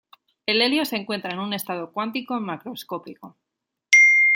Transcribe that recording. El helio se encuentra en un estado cuántico macroscópico.